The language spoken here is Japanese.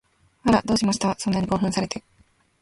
あら、どうしました？そんなに興奮されて